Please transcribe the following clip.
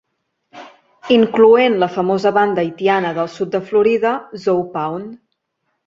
Incloent la famosa banda haitiana del sud de Florida Zoe Pound.